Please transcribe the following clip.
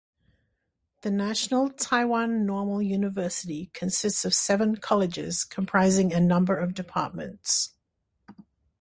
The National Taiwan Normal University consists of seven colleges comprising a number of departments.